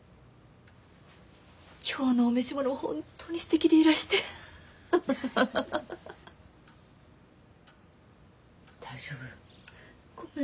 今日のお召し物も本当にすてきでいらしてフフフ。大丈夫？ごめん。